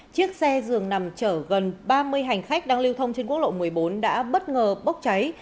chiếc xe dường nằm chở gần ba mươi hành khách đang lưu thông trên quốc lộ một mươi bốn đã bất ngờ bốc cháy